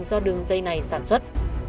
do đường dây này sản xuất